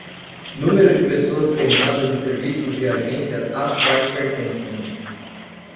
Número de pessoas treinadas e serviços e agências às quais pertencem.